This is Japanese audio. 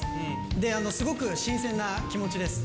で、すごく新鮮な気持ちです。